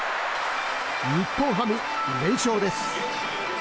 日本ハム、連勝です。